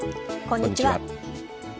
こんにちは。